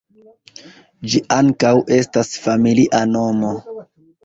Ĝi ankaŭ estas familia nomo.